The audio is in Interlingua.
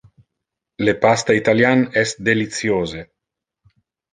Le pasta italian es deliciose.